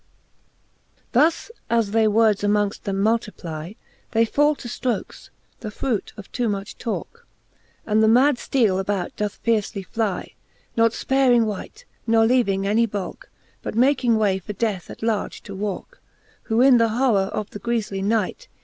Thus as they words among them multiply, They fall to ftrokes, the frute of too much talke, And the mad fteele about doth fiercely fly, Not Iparing wight, ne leaving any balke, But making way for death at large to walke : Who in the horror of the griefly night.